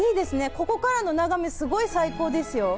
ここからの眺め、すごい最高ですよ。